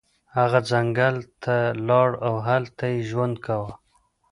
هغه ځنګل ته لاړ او هلته یې ژوند کاوه.